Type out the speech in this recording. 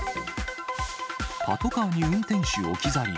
パトカーに運転手置き去り。